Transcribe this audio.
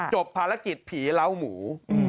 จบภารกิจผีเล้าหมู